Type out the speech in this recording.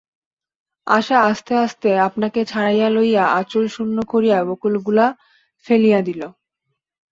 আশা আস্তে আস্তে আপনাকে ছাড়াইয়া লইয়া আঁচল শূন্য করিয়া বকুলগুলা ফেলিয়া দিল।